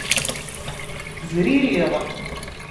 Zririɣ.